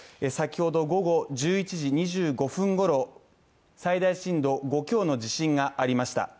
先ほど午後１１時２５分ごろ最大震度５強の地震がありました。